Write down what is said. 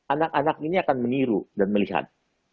atau dia sudah bisa mengiru dan melihat